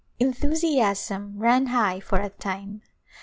Enthusiasm ran high for a time.